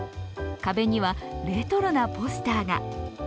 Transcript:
壁にはレトロなポスターが。